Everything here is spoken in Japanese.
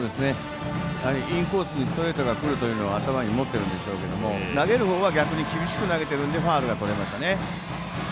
やはりインコースにストレートがくるというのは頭に持っているんでしょうけども投げる方は逆に厳しく投げてるのでファウルがとれました。